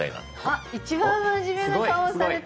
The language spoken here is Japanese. あっ一番まじめな顔をされてる。